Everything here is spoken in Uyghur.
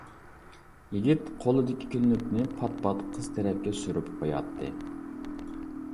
يىگىت قولىدىكى كۈنلۈكنى پات-پات قىز تەرەپكە سۈرۈپ قوياتتى.